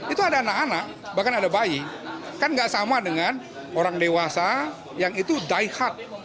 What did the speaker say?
itu ada anak anak bahkan ada bayi kan nggak sama dengan orang dewasa yang itu die hard